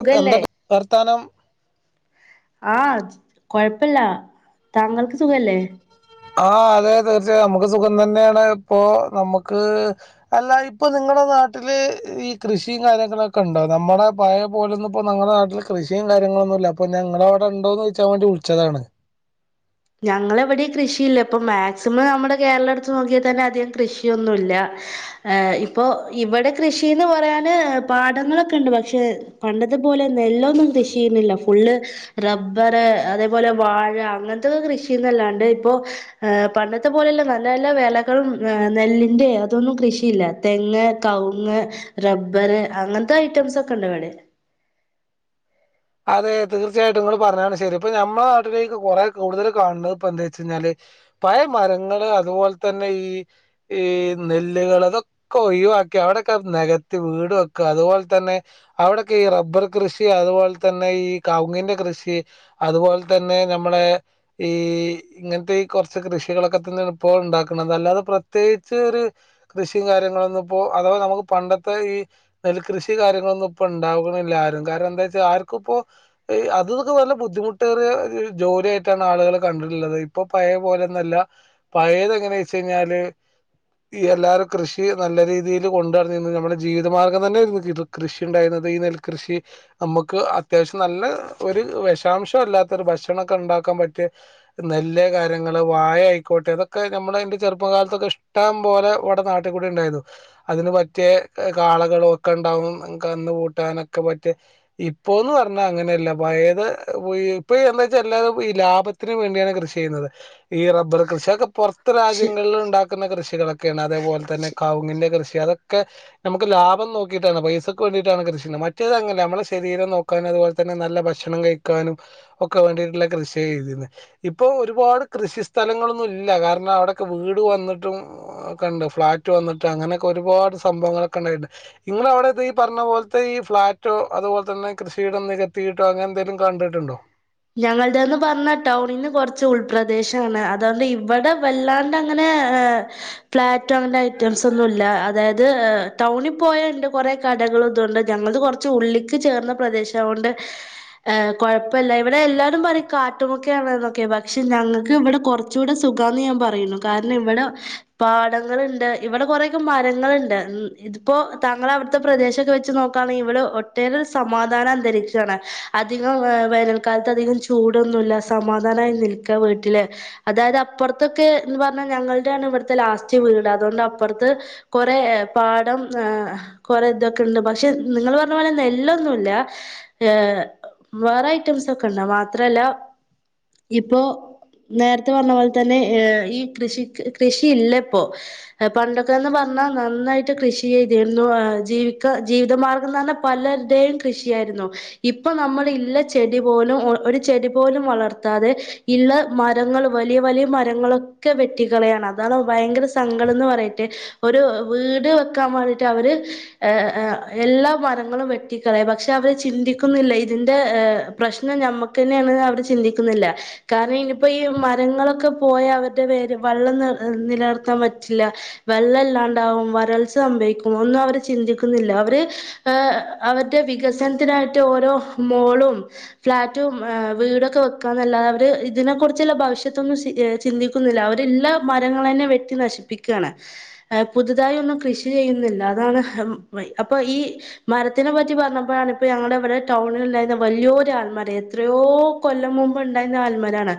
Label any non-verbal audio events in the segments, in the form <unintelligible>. സുഖല്ലേ എത്നൊക് വർത്താനം ആച് കൊഴ്പ്പല്ല തങ്ങൾക്ക് സുഖല്ലേ ആ അതേ തീർച്ചയായും നമുക്ക് സുഖം തന്നെയാണ്. പ്പൊ നമുക്ക് അല്ല ഇപ്പൊ നിങ്ങടെ നാട്ടില് ഈ കൃഷി കാര്യങ്ങളൊക്കെ ഇണ്ടോ? നമ്മുടെ പയേ പോലൊന്നും പ്പൊ നങ്ങടെ നാട്ടില് കൃഷി കാര്യങ്ങോളൊന്നുല്ല. പ്പാ ഞാ ഇങ്ങടെ അവ്ടെ ഉണ്ടോന്നോയ്ച്ചൻ വുൽച്ചതാണ് ഞങ്ങളെവിടെയും കൃഷിയില്ല ഇപ്പൊ മാക്സിമം നമ്മുടെ കേരള എടുത്ത് നോക്കിട്ടെന്നെ അധികം കൃഷിയൊന്നുല്ല. ഏ ഇപ്പൊ ഇവിടെ കൃഷിന്ന് പറയാന് പാടങ്ങളൊക്കെ ഉണ്ട് പക്ഷെ പണ്ടത്തെപോലെ നെല്ലൊന്നും കൃഷി ചെയ്യുന്നില്ല ഫുള്ള് റബ്ബർ അതേപോലെ വാഴ അങ്ങൻ <unintelligible> കൃഷി ഇല്ലാണ്ട് ഇപ്പോ. പണ്ടത്തെ പോലെയല്ല നല്ല നല്ല വെലകളും നെല്ലിൻന്റെ അതൊന്നും കൃഷിയില്ല. തെങ്ങ്, കവുങ്ങ്, റബ്ബർ, അങ്ങന് ത്തെ ഐറ്റംസ് ഒക്കെണ്ട് ഇവടെ അതെ തീർച്ചയായിട്ടും ഇങ്ങൾ പറഞ്ഞാണ് ശരി ഇപ്പൊ, നമ്മളെ നാട്ടിലേക്ക്, കുറെ കൂടുതൽ കാണുന്നത് ഇപ്പ എന്താ വെച്ച കഴിഞ്ഞാല് പഴ മരങ്ങള് അതുപോലെ തന്നെ ഈ ഈ നെല്ലുകള് അതൊക്കെ ഒഴിവാക്കി അവിടെയൊക്കെ നികത്തി വീട് വെക്കുക അതുപോലെ തന്നെ അവിടൊക്കെ ഈ റബ്ബർ കൃഷി അതുപോലെ തന്നെ ഈ കൗങ്ങിന്റെ കൃഷി അതുപോലെ തന്നെ നമ്മളെ ഈ ഇങ്ങനത്തെ ഈ കുറച്ച് കൃഷികളൊക്കെ തന്നെ ഇപ്പോ ഉണ്ടാക്കണ അല്ലാതെ പ്രത്യേകിച്ച് ഒരു കൃഷിയും കാര്യങ്ങളൊന്ന ഇപ്പോ അഥവാ നമുക്ക് പണ്ടത്തെ ഈ നെൽകൃഷി കാര്യങ്ങളൊന്നും ഇപ്പോ ഉണ്ടാവിണ്ല്ല ആരും, കാരണം എന്താച്ചാ ആർ ഇപ്പോ അത് തെക്കെ നല്ല ബുദ്ധിമുട്ടേറിയ ജോലിയായിട്ടാണ് ആളുകൾ കണ്ടിട്ടുള്ളത് ഇപ്പൊ പഴയ പോലെന്നല്ല പഴയതങ്ങനെയ വെച്ച് കഴിഞ്ഞാല് ഈ എല്ലാവരും കൃഷി നല്ല രീതിയിൽ കൊണ്ടു ട്ന്നിന്ന് നമ്മുടെ ജീവിതമാർഗ്ഗം തന്നൊയിരുന്നു കൃഷി ഉണ്ടായിരുന്നത് ഈ നെൽകൃഷി നമ്മക്ക് അത്യാവശ്യം നല്ല ഒരു വഷാംശംല്ലാത്ത ഒരു ഭക്ഷണംക്കെ ഉണ്ടാക്കാൻ പറ്റിയ നെല്ല് കാര്യങ്ങള് വായ ആയിക്കോട്ടെ ഇതൊക്കെ നമ്മൾ എന്റെ ചെറുപ്പകാലത്തൊക്കെ ഇഷ്ടം പോലെ ഇവിടെ നാട്ടിൽ കൂടി ഉണ്ടായിരുന്നു അതിന് പറ്റിയ കാളകളും ഒക്കെ ഉണ്ടാവും കന്ന് പൂട്ടാനൊക്കെ പറ്റിയ, ഇ ഇപ്പോന്ന് പറഞ്ഞാൽ അങ്ങനെയല്ല പഴേത് <unintelligible> ഇപ്പൊ എന്താ വച്ചാ എല്ലാ ഈ ലാഭത്തിന് വേണ്ടിയാണ് കൃഷി ചെയ്യുന്നത് ഈ റബ്ബർ കൃഷിയൊക്കെ പെറ <unintelligible> രാജ്യങ്ങളിൽ ശ ണ്ടാ <unintelligible> കൃഷികളെ അതേപലെ തെന്നെ കവ്ങ്ങ്ന്റെ കൃഷി അതൊക്കെ നമുക്ക് ലാഭ നോക്കിട്ടാണ്. പൈസയ്ക്ക് വേണ്ടിയിട്ടാണ് കൃഷി മറ്റേതങ്ങനെ നമ്മള ശ തീരെം നോക്കാനും അതുപോലെ തന്നെ നല്ല ഭക്ഷണം കഴിക്കാനും ഒക്കെ വേണ്ടിട്ടുള്ള കൃഷിചെഴ്തിന്ന് ഇപ്പൊ ഒരുപാട് കൃഷി സ്ഥലങ്ങളൊന്നും ഇല്ല കാരണം അവിടെൊക്കെ വീട് വന്നിട്ടും കണ്ട് ഫ്ളാറ്റ് വന്നിട്ടും അങ്ങനെയൊക്കെ ഒരുപാട് സംഭവങ്ങളൊക്കെ ഉണ്ടായിട്ടുണ്ട്. ഇങ്ങള അവിടെ ഈ പറഞ്ഞ പോലത്തെ ഈ ഫ്ളാറ്റോ, അതുപോലെ തന്നെ കൃഷിയിടം നികത്തിയിട്ടോ അങ്ങനെ എന്തേലും കണ്ടിട്ടുണ്ടോ? ഞങ്ങളുടെന്ന് പറഞ്ഞ ടൗണിന്ന് കുറച്ച് ഉൾപ്രദേശാണ്, അതുകൊണ്ട് ഇവിടെ വല്ലാണ്ട് അങ്ങനെ ഫ്ലാറ്റും അങ്ങനത്തെ ഐറ്റംസ് ഒന്നും ഇല്ല അതായത് ടൗണിൽ പോയണ്ട് കുറെകടകൾ ഇതുകണ്ട് ഞങ്ങളത് കുറച്ച് ഉള്ളിക്ക് ചേർന്ന പ്രദേശം അത്കൊണ്ട് ഹ് കുഴപ്പമില്ല ഇവിടെ എല്ലാവരും പറിം കാട്ട് മുക്കെ ആണ് ന്നെക്കെ പക്ഷെ ഞങ്ങൾക്ക് ഇവിടെ കുറച്ചുകൂടെ സുഖാന്ന് ഞാൻ പറയുന്നു കാരണം ഇവിടെ പാടങ്ങളുണ്ട് ഇവിടെ കുറയക്കെ മരങ്ങള്ണ്ട് ഇതിപ്പോ താങ്കള അവിടുത്ത പ്രദേശൊക്കെ വെച്ച് നോക്കാണെങ്കിൽ ഇവിടെ ഒട്ടേറെരു സമാധാന അന്തരീക്ഷാണ് അധികം വന കാലത്ത് അധികം ചൂടൊന്നുല്ല, സമാധാനമായി നിൽക്ക വീട്ടില്, അതായത് അപ്പുറത്തൊക്കെ എന്ന് പറഞ്ഞ ഞങ്ങളുടെയാണ് ഇവിടുത്തെ ലാസ്റ്റ് വീട് അതുകൊണ്ട് അപ്പുറത്ത് കുറെ പാടം കുറെേ ഇതൊക്കെ ഉണ്ട് പക്ഷെ നിങ്ങൾ പറഞ്ഞ പോലെ നെല്ലൊന്നുല്ല വേറെ <unintelligible> മാത്രല്ല ഇപ്പേ നേരത്തെ പറഞ്ഞ പോലെ തന്നെ ഈ കൃഷി കൃഷി ഇല്ലപ്പോ പണ്ടൊക്കെന്ന് പറഞ്ഞാൽ നന്നായിട്ട് കൃഷി ചെയ്തിരുന്നു ജീവിക്ക ജീവിതമാർഗംന്ന് പറഞ്ഞാൽ പലരുടെയും കൃഷിയായിരുന്നു ഇപ്പ നമ്മൾ ഇല്ല ചെടി പോലും ഒരു ചെടി പോലും വളർത്താതെ ഇള്ള മരങ്ങൾ വലിയ വലിയ മരങ്ങളൊക്കെ വെട്ടികളയാണ് അതാണ് ഭയങ്കര സ സങ്കടം എന്ന് പറയട്ടെ. ഒരു വീട് വെക്കാൻ വേണ്ടിട്ട് അവര് എല്ലാ മരങ്ങളും വെട്ടിക്കളയ, പക്ഷെ അവര് ചിന്തിക്കുന്നില്ല ഇതിന്റെ. പ്രശ്നം ഞമ്മക്ക് തന്നെയാണ് അവർ ചിന്തിക്കുന്നില്ല കാരണം ഇനിയിപ്പോ ഈ മരങ്ങളൊക്കെ പോയ അവരുടെ വേര് വെള്ളം നിലനിർത്താൻ പറ്റില്ല വെള്ളം ഇല്ലാണ്ടാവും വരൾച്ച സംഭവിക്കും ഒന്നും അവര് ചിന്തിക്കുന്നില്ല അവര് അവര്ടെ വികസനത്തിനായിട്ട് ഓരോ മോളും ഫ്ലാറ്റും അവീടൊക്കെ വെക്കാന്നല്ലാതെ അവര് ഇതിനെ കുറിച്ചുള്ള ഭവിഷ്യത്തൊന്നും ചിന്തിക്കുന്നില്ല അവരെല്ലാ മരങ്ങള തന്നെ വെട്ടി നശിപ്പിക്കുകയാണ് പുതുതായി ഒന്നും കൃഷി ചെയ്യുന്നില്ല അതാണ് അപ്പൊ ഈ മരത്തിനെ പറ്റി പറഞ്ഞപ്പോഴാണ് ഇപ്പോ ഞങ്ങളുടെ ഇവിടെ ടൗണിൽണ്ടായിരുന്ന വല്യോര് ആൽമര എത്രയോ കൊല്ലം മുമ്പ് ഉണ്ടായിരുന്ന ആൽമരാണ്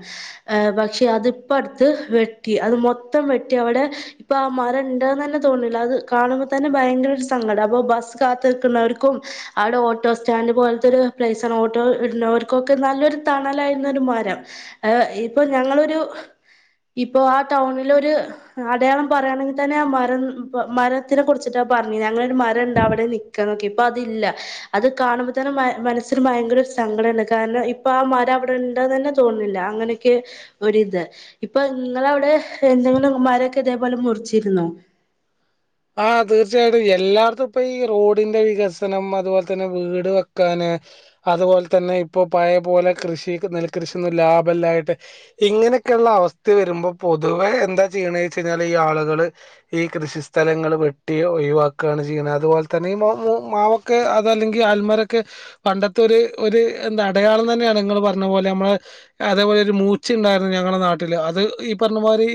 പക്ഷെ അതിപ്പോ അടുത്ത് വെട്ടി അത് മൊത്തം വെട്ടി അവിടെ ഇപ്പൊ ആഹ് മര ഉണ്ടന്ന് തന്നെ തോന്നില്ല അത് കാണുമ്പോ തന്നെ ഭയങ്കര സങ്കടം അപ്പൊ ബസ് കാത്തിക്കുന്നവർക്കും, അവിടെ ഓട്ടോ സ്റ്റാൻഡ് പോലത്തെ ഒരു പ്ലേസ്ണ് ഓട്ടോ ഇരുന്നവർക്കൊക്കെ നല്ലൊരു തണലായിരുന്ന ഒരു മരം, ഇപ്പൊ ഞങ്ങളൊരു ഇപ്പൊ ആ ടൗണില ഒരു അടയാളം പറുകയാണെങ്കിൽ തന്നെ ആ മരം മരത്തിനെ കുറിച്ചിട്ടാ പറഞ്ഞിരുന്ന, ഞങ്ങളൊരു മരം ണ്ട് അവിടെ നിൽക്കാന്നൊക്കെ ഇപ്പൊ അതില്ല അത് കാണുമ്പോ തന്നെ മനസ്സിൽ ഭയങ്കര സങ്കടംണ്ട് കാരണം ഇപ്പൊ ആഹ് മരം അവിടെ ഉണ്ടന്ന് തന്നെ തോന്നില്ല അങ്ങനൊക്കെ ഒരിത് ഇപ്പൊ നിങ്ങള അവിടെ എന്തെങ്കിലും മരൊക്കെ ഇതേപോലെ മുറിച്ചിരുന്നോ ആ തീർച്ചയായിട്ടും എല്ലാർത്തും ഇപ്പ ഈ റോഡിന്റെ വികസനം അതുപോലെ തന്നെ വീട് വെക്കാന് അതുപോലെ തന്നെ ഇപ്പൊ പഴ പോലെ കൃഷി നെൽകൃഷിന്നും ലാഭമല്ലായിട്ട്. ഇങ്ങനെയൊക്കെയള്ള അവസ്ഥ വരുമ്പോൾ പൊതുവെ എന്താ ചെയ്യണ വച്ച കഴിഞ്ഞാൽ ഈ ആളുകള് ഈ കൃഷി സ്ഥലങ്ങൾ വെട്ടി ഒഴിവാക്കാണ് ചെയ്യണ, അതുപോലെ തന്നെ ഈ മാവൊക്കെ അതല്ലെങ്കിൽ അ ൽമരൊക്കെ പണ്ടത്തെ ഒര് ഒരു എന്താ അടയാളം തന്നെയാണ് നിങ്ങൾ പറഞ്ഞ പോലെ നമ്മ അതേപോലെ ഒരു മൂച്ചിണ്ടായിരുന്നു ഞങ്ങളുടെ നാട്ടിൽ അത് ഈ പറഞ്ഞ മായിരി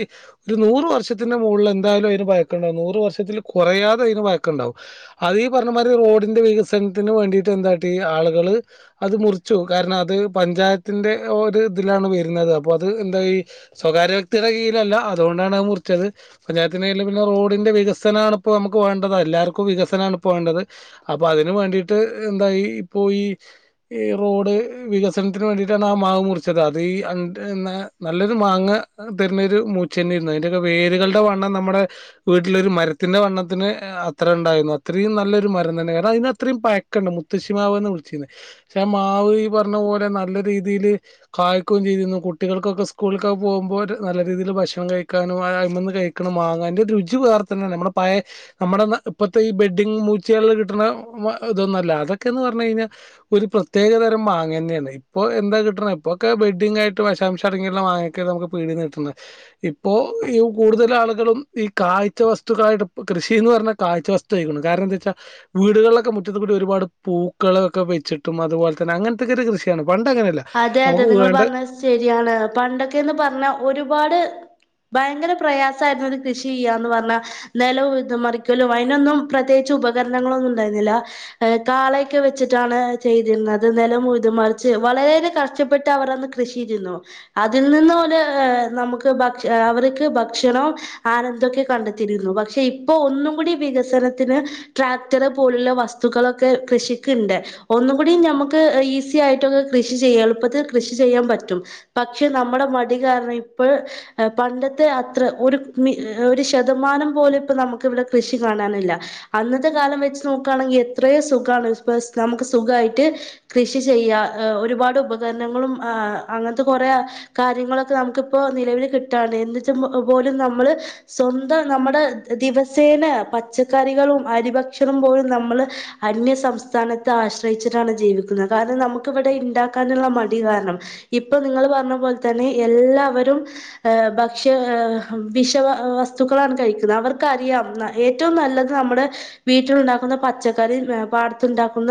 ഒരു നൂറ് വർഷത്തിന്റെ മുകളിൽ എന്തായാലും അതിനന് പഴക്കംണ്ടായിനി, നൂ വർശത്തിൽ കുറയാതെ അയക് പയക്ക ഉണ്ടാവും അത് ഈ പറഞ്ഞ മാതി റോഡിന്റെ വികസനത്തിന് വേണ്ടിട്ട് എന്ത ആളുകള് അത് മുറിച്ചു കാരണം അത് പഞ്ചായത്തിന്റെ ഒര് ഇതിലാണ് വരുന്നത് അപ്പ അത് എന്താ സ്വകാര്യ വ്യക്തിയുടെ കീഴല്ല അതുകൊണ്ടാണ് മുറിച്ചത് പഞ്ചായത്തി റോഡിന്റെ വികസനണ ഇപ്പ നമുക്ക് വേണ്ടത് എല്ലാവർക്കും വികസനണ ഇപ്പോ വേണ്ടത് അപ്പൊ അതിന് വേണ്ടിട്ട് എന്താ ഇപ്പൊ ഈ റോഡ് വികസനത്തിന് വേണ്ടിട്ടാണ് ആഹ് മാവ് മുറിച്ചത് അത് ഈ അഹ് നല്ലൊരു മാങ്ങ തരുന്നരു മൂച്ചന്നിരുന്നു അതിന്റെൊക്കെ വേരുകളുടെ വണ്ണം നമ്മുടെ വീട്ടിലരു മരത്തിൻ്റെ വണ്ണത്തിന് അത്ര ഉണ്ടായിരുന്നു അത്രയും നല്ലൊരു മരം തന്നെ കാരണം അതിന് അത്രയും പഴക്കം ഉണ്ട്, മുത്തശ്ശി മാവ്ന്ന് വിളിച്ചിന്നത് പക്ഷെ ആ മാവ് ഈ പറഞ്ഞ പോലെ നല്ല രീതിൽ കായ്ക്കും ചെയ്തിന്നു കുട്ടികൾക്കൊക്കെ സ്കൂളിലക്കൊക്കെ പോകുമ്പോ നല്ല രീതിയിൽ ഭക്ഷണം കഴിക്കാനും അയ്മന്ന് കഴിക്കണം മാങ്ങാൻന്റെ രുചി ച്ചവേർത്തന്ന നമ്മുടെ പഴ നമ്മുടെ ഇപ്പത്തെ ഈ ബെഡി മൂച്ചകളിൽ കിട്ടണ ഇതൊന്നുമല്ല അതൊക്കെന്ന് പറഞ്ഞു കഴിഞ്ഞാൽ ഒരു പ്രത്യേക തരം മാങ്ങ തന്നെയാണ് ഇപ്പോ എന്താ കിട്ടണ ഇപ്പോക്കെ ബെഡിങ് ആയിട്ട് വിശാംശം അടങ്ങിയുള്ള വാങ്ങൊക്കെ നമുക്ക് പീടിന്ന് കിട്ടണ ഇപ്പോ ഈ കൂടുതൽ ആളുകളും ഈ കാഴ്ച്ച വസ്തുക്കളയിട്ട് കൃഷി എന്നു പറഞ്ഞാൽ കാഴ്ച വസ്തു കഴിക്കണം കാരണം എന്താ വെച്ചാൽ വീടുകളിലൊക്കെ മുറ്റത്തത്ത് കൂടി ഒരുപാട് പൂക്കളൊക്കെ വെച്ചിട്ടും അതുപോലെ തന്നെ അങ്ങനത്തൊക്ക ഒരു കൃഷിയാണ് പണ്ട് അങ്ങനെയല്ല. അതെ അതെ നമുക്ക് നിങ്ങൾ വേണ്ട പറഞ്ഞ ശരിയാണ് പണ്ടൊക്കെന്ന് പറഞ്ഞാ ഒരുപാട്. ഭയങ്കര പ്രയാസമായിയിരുന്നു കൃഷി ചെയ്യാന്ന് പറഞ്ഞാൽ നിലം ഉഴുത മറിക്കല്ലോ, അതിനൊന്നും പ്രത്യേകിച്ച് ഉപകരണങ്ങളൊന്നും ഉണ്ടായിരുന്നില്ല ഏ കാളയൊക്കെ വെച്ചിട്ടാണ് ചെയ്തിരുന്നത് നില ഉഴുത് മറിച്ച് വളരെ. രെ കഷ്ടപ്പെട്ട് അവർ അന്ന് കൃഷിയ്തിരുന്നു അതിൽ നിന്ന് ഓല് നമുക്ക് ഭക്ഷ അവർക്ക് ഭക്ഷണവും ആനന്ദമൊക്കെ കണ്ടെത്തിയിരുന്നു. പക്ഷെ ഇപ്പൊ ഒന്നും കൂടി വികസനത്തിന് ട്രാക്ടർ പോലുള്ള വസ്തുക്കളൊക്കെ കൃഷിക്ക്ണ്ട് ഒന്നും കൂടി നമുക്ക് ഈസി ആയിട്ടൊക്കെ, ക്യ കൃഷി ചെയ്യാം എളുപ്പത്തിൽ കൃഷി ചെയ്യാൻ പറ്റും പക്ഷെ നമ്മുടെ മടി കാരണം ഇപ്പോ പണ്ടത്തെ അത്ര ഒരു ഒരു ശതമാനം പോലെ ഇപ്പ നമുക്ക് ഇവിടെ കൃഷി കാണാനില്ല അന്നത്തെ കാലം വെച്ച് നോക്കയാണെങ്കിൽ എത്രയോ സുഖാണ് <unintelligible> ഇ ഒരുപാട് ഉപകരണങ്ങളും അങ്ങനത്തെ കുറെ കാര്യങ്ങളൊക്കെ നമുക്കിപ്പോ നിലവിൽ കിട്ടാന് എന്നിട്ട് പോലും നമ്മള് സ്വന്തം നമ്മുട ദിവസേന പച്ചക്കറികളും അരിഭക്ഷണും പോലും നമ്മള് അന്യ സംസ്ഥാനത്തെ ആശ്രയിച്ചിട്ടാണ് ജീവിക്കുന്നത് കാരണം നമുക്കവിടെ ഉണ്ടാക്കാനുള്ള മടി കാരണം ഇപ്പൊ നിങ്ങൾ പറഞ്ഞ പോലെ തന്നെ എല്ലാവരും ഭക്ഷ്യ വിഷ വസ്തുക്കളാണ് കഴിക്കുന്നത് അവർക്ക് അറിയാം ഏറ്റവും നല്ലത് നമ്മുടെ വീട്ടില് ഉണ്ടാക്കുന്ന പച്ചക്കറി പാടത്തുണ്ടാക്കുന്ന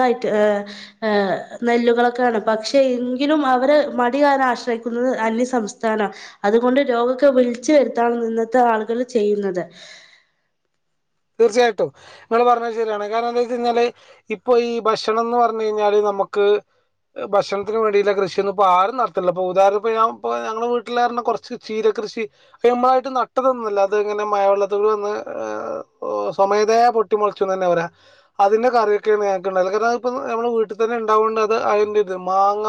നെല്ലുകളൊക്കെയാണ്, പക്ഷെ എങ്കിലും അവര് മടിക്കാരണം ആശ്രയിക്കുന്നത് അന്യസംസ്ഥാനം അതുകൊണ്ട് രോഗക്കെ വിളിച്ചു വരുത്താണ് ഇന്നത്തെ ആളുകൾ ചെയ്യുന്നത്. തീർച്ചയായിട്ടും നിങ്ങള് പറഞ്ഞ ശരിയാണ് കാരണം എന്താ വെച്ച കഴിഞ്ഞാല് ഇപ്പൊ ഈ ഭക്ഷണം എന്ന് പറഞ്ഞു കഴിഞ്ഞാല് നമുക്ക് ഭക്ഷണത്തിന് വേണ്ടിട്ട കൃഷിയൊന്നും ഇപ്പോ ആരും നടത്തില്ല ഇപ്പ ഉദാഹരണം ഇപ്പ ഞ ഞങ്ങള വീട്ടിലാർഞ്ഞ കെറച്ച് ചീരകൃഷി നമ്മളായിട്ട് നട്ടതൊന്നുംല്ല അത് ഇങ്ങനെ മയവെള്ളത്തൂടെ വന്ന് സ്വമേധയാ പൊട്ടി മുളച്ചു തന്നെ പറയാ അതിന്റെ കറിയൊക്കെയാണ് ഞങ്ങൾക്ക് ഉണ്ടാവല് <unintelligible> നമ്മൾ വീട്ടിൽ തന്നെ ഉണ്ടാവുകൊണ്ട് അയിൻ്റെത് മാങ്ങ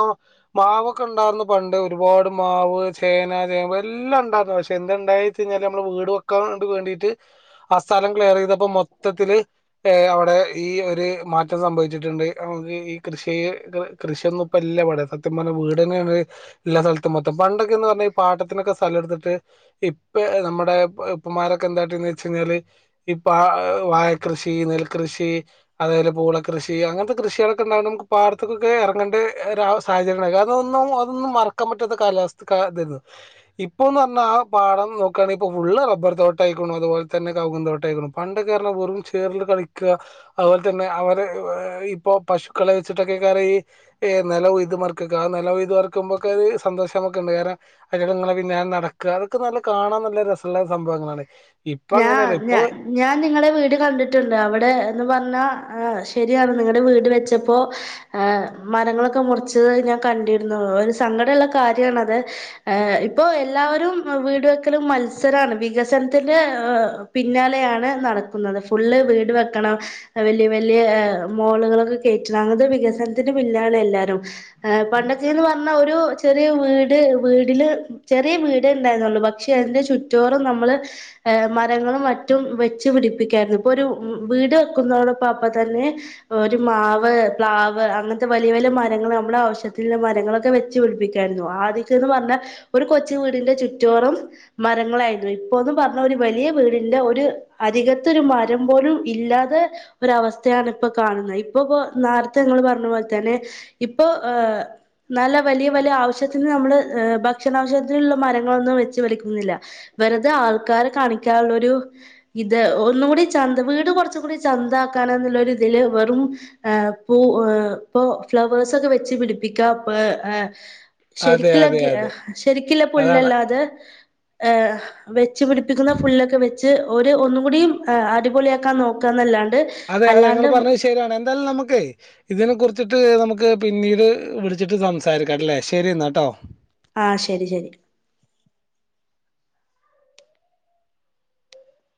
മാവൊക്കെ ഉണ്ടായിരുന്ന പണ്ട് ഒരുപാട് മാവ്, ചേന, ചേമ്പ്, എല്ലാം ഉണ്ടായിരുന്നു പക്ഷെ എന്ത ഉണ്ടായിച്ച കഴിഞ്ഞാല് നമ്മൾ വീട് വെക്കാ വേണ്ടിട്ട്, സ്ഥലം ക്ലിയർ ചെയ്തപ്പോ മൊത്തത്തില് അവിടെ ഈ ഒരു മാറ്റം സംഭവിച്ചിട്ടുണ്ട് നമക്ക് ഈ കൃഷി കൃഷിയൊന്നും ഇപ്പല്ല ഇവിടെ സത്യം പറഞ്ഞ വീട് തന്നെയ എല്ലാ സ്ഥലത്തും മൊത്തം പണ്ടൊക്കെന്ന് പറഞ്ഞാ ഈ പാട്ടത്തിനൊക്കെ സ്ഥലം എടുത്തിട്ട് ഇപ്പ നമ്മുടെ ഉപ്പമാരൊക്കെ എന്താട്ടന്ന് വെച്ച കഴിഞ്ഞാല് ഈ പ വാഴകൃഷി നെൽകൃഷി അതേലെ പൂളകൃഷി അങ്ങനത്തെ കൃഷികളൊക്കെ ഉണ്ടാക നമുക്ക് പാടത്തക്കൊക്കെ എറങ്ങേണ്ട സാഹചര്യങ്ങളാ കാരണം അതൊന്നും മറക്കാൻ പറ്റാത്ത കാലാവസ്ഥക്ക് തരുന്നു ഇപ്പൊ എന്ന് പറഞ്ഞാൽ ആ പാടം നോക്കുകയാണെിൽ ഇപ്പോൾ ഫുള് റബ്ബർ തോട്ടയിക്കോണും അതുപോലെ തന്നെ കൗങ്ങ് തോട്ടം ട്ട <unintelligible> പണ്ടക്കെ പറഞ്ഞാൽ വെറും ചേറിൽ കളിക്ക അതുപോലെ തന്നെ അവര് ഇപ്പ പശുക്കളെ വെച്ചിട്ടൊക്കെയ്ക്കാരംഈ നിലൊയ്ത് മറിക്ക, നിലൊയത് മറക്കുമ്പോൊക്കെ ഒരു സന്തോഷമൊക്കെ ഉണ്ട് കാരണം അതിടങ്ങളെ പിന്നാലെ നടക്ക അതൊക്കെ നല്ല കാണാൻ നല്ല രസള്ള സംഭവങ്ങളാണ്. ഇപ്പൊ ഞാ അങ്ങനെയല്ലേ ഞാ ഇപ്പൊ. ഞാൻ നിങ്ങളുട വീട് കണ്ടിട്ടുണ്ട് അവിടെ ന് പറഞ്ഞാൽ ശരിയാണ് നിങ്ങടെ വീട് വെച്ചപ്പോൾ മരങ്ങളെക്കെ മുറിച്ചത് ഞാൻ കണ്ടിരുന്നു ഒരു സങ്കടല്ല കരിയാണത് ഏ ഇപ്പൊ എല്ലാവരും വീട്‌വെക്കല് മത്സരാണ് വികസനത്തിന്‌ ന്റെപിന്നാലെ യാണ് നടക്കുന്നത്. ഫുൾ വീട് വെക്കണം വല്യ വല്യ മോളുകള് കെ കെറ്റണം പണ്ടൊക്കെന്ന് റഞ്ഞ ഒരു ചെറിയ വീട് വീടില് ചെറിയ വേണ്ടേണ്ടായിരിന്നൊള്ളു ക്ഷേ അയിന്റെ ചുറ്റോറം മ്മള് മരങ്ങളും മറ്റും വെച്ച പിടിപ്പിക്കരുന്നു പൊരു വീട് വെക്കുന്നോടൊപ്പം അപ്പാതെന്നെ ഒരു മാവ് പ്ലാവ് അങ്ങനത്തെ വലിയ വലിയ മരങ്ങള് നമ്മളെ ആവശ്യത്തിന്ള്ള മരങ്ങളൊക്കെ വെച്ച പിടിപ്പിക്കരുന്നു ആദ്യോക്കെന്ന്പറഞ്ഞ ഒരു കൊച് വീടിന്റെ ചുറ്റോറം മരങ്ങളായിരുന്നു ഇപ്പൊന്ന് പർ അരികത്തൊരു മരം പോലും ഇല്ലാതെ ഒരവസ്ഥയാണ് ഇപ്പൊ കാണുന്നത് ഇപ്പൊ ഇപ്പോ നേരത്തെ നിങ്ങൾ പറഞ്ഞ പോലെ തന്നെ ഇപ്പൊ നല്ല വലിയ വലിയ ആവശ്യത്തിന് നമ്മള് ഭക്ഷണാവശ്യത്തിനുള്ള മരങ്ങളൊന്നും വെച്ച് കാണിക്കാനുള്ള ഒരു ഇത് ഒന്നുകൂടി ചന്തമാ വീട് കുറച്ചും കൂടി ചന്തആക്ക നന്നുള്ളൊരുത്തിൽ വെരും പൂ ഏ പ്പോ ഫ്ലവേഴ്സ് ഒക്കെ വെച്ച് പിടിപ്പികഏ അതെ ശരിക്കുള്ള അതെ അതെ ശരിക്കിള്ള അതാണ് പുല്ലല്ലാതെ ഏ വെച്ച് പിടി ക്കുന്ന പുല്ലൊക്കെ വെച്ച ഒര് ഒന്നും കൂടി അടിപൊളി ആക്കാം നോക്ക്യാന്നല്ലാണ്ട് അതെ അതെ ങ്ങൾ പറഞ്ഞത് ശര്യാണ് എന്തായാലും ഞമ്മക്ഇതിനെ കുറിച് പിന്നീട് വിളിച്ചിട്ട് സംസാരിക്കാ ശരിഎന്ന ട്ടോ ആ ശരി ശരി